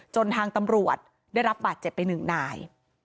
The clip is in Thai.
ทางตำรวจได้รับบาดเจ็บไปหนึ่งนาย